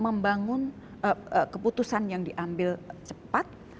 membangun keputusan yang diambil cepat